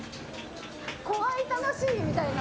怖い楽しいみたいな。